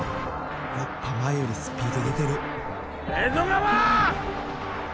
やっぱ前よりスピード出てる江戸川！